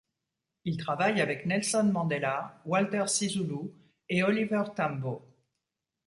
Il travaille avec Nelson Mandela, Walter Sisulu et Oliver Tambo.